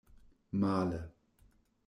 Male!